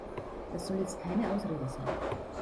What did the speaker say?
Das soll jetzt keine Ausrede sein.